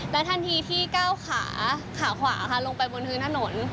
ทันทีที่ก้าวขาขาขวาค่ะลงไปบนพื้นถนน